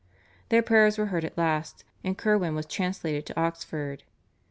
Their prayers were heard at last, and Curwen was translated to Oxford.